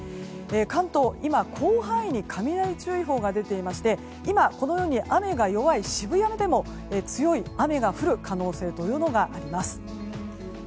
関東、今広範囲に雷注意報が出ていまして今、このように雨が弱い渋谷でも強い雨が降る可能性というのがあります。